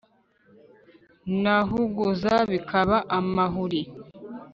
Nahuguza bikaba amahuri